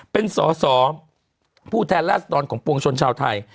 เป็นสอสอผู้แทนราษฎรของปวงชนชาวไทย